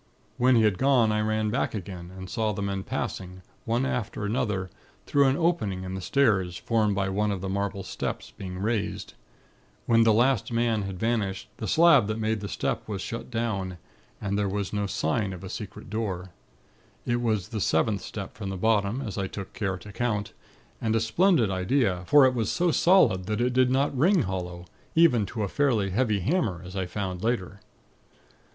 "When he had gone, I ran back again, and saw the men passing, one after another, through an opening in the stairs, formed by one of the marble steps being raised. When the last man had vanished, the slab that made the step was shut down, and there was not a sign of the secret door. It was the seventh step from the bottom, as I took care to count: and a splendid idea; for it was so solid that it did not ring hollow, even to a fairly heavy hammer, as I found later.